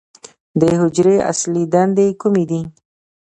د حجرې اصلي دندې کومې دي؟